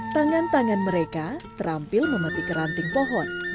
tangan tangan mereka terampil memetik ranting pohon